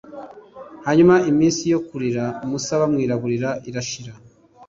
hanyuma iminsi yo kuririra musa bamwiraburira irashira.